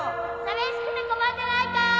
寂しくて困ってないか？